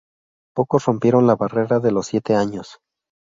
Pocos rompieron la barrera de los siete años.